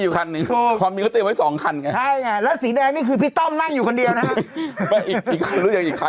อยู่ไกรไปสองขันและสีแดงมันคือพี่ต้อมมาอยู่คนเดียวนะครับอีกคัน